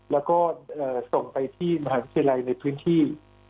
แล้วก็ส่งไปที่มหาวิทยาลัยในพื้นที่